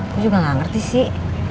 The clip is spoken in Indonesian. aku juga gak ngerti sih